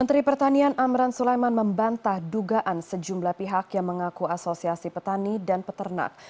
menteri pertanian amran sulaiman membantah dugaan sejumlah pihak yang mengaku asosiasi petani dan peternak